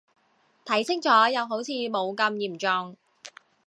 睇清楚又好似冇咁嚴重